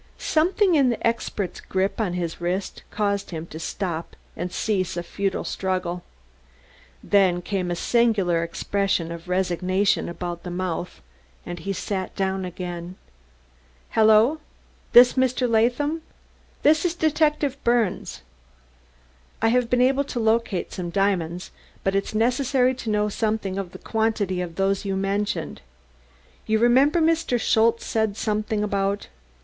Something in the expert's grip on his wrist caused him to stop and cease a futile struggle; then came a singular expression of resignation about the mouth and he sat down again. "Hello! This Mr. Latham! .... This is Detective Birnes. ... I've been able to locate some diamonds, but it's necessary to know something of the quantity of those you mentioned. You remember Mr. Schultze said something about